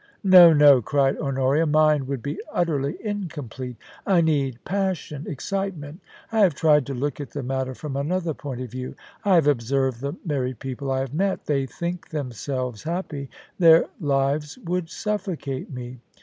No, no,' cried Honoria, * mine would be utterly incom plete. I need passion, excitement I have tried to look at the matter from another point of view ; I have observed the married people I have met They think themselves happy ; their lives would suffocate me.